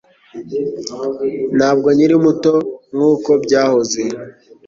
Ntabwo nkiri muto nkuko byahoze